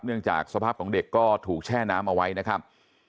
จากสภาพของเด็กก็ถูกแช่น้ำเอาไว้นะครับ